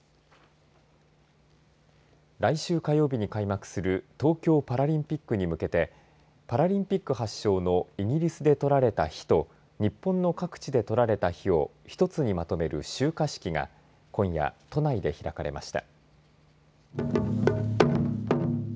来週、火曜日に開幕する東京パラリンピックに向けてパラリンピック発祥のイギリスで採られた火日本の各地で彩られた火をひとつにまとめる集火式が今夜、都内で開かれました。